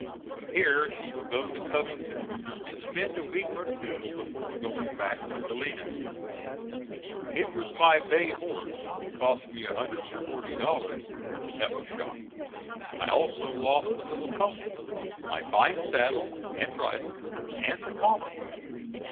From here she will go to Covington, and spend a week or two before going back to Galena. It was my bay horse (cost me $140) that was shot. I also lost the little pony, my fine saddle and bridle, and the common one.